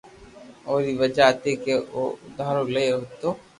اوري وجہ ھتي ڪي او دھارو ايلائي پيتو